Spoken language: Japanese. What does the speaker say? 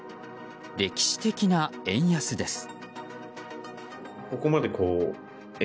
歴史的な円安です。